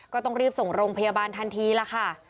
ก็ต้องรีบส่งโรงพยาบาลทันทีล่ะค่ะ